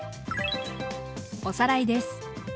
おさらいです。